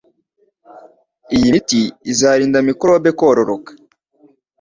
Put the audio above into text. Iyi miti izarinda mikorobe kororoka